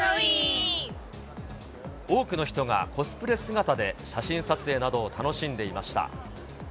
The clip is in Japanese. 多くの人がコスプレ姿で写真撮影などを楽しんでいました。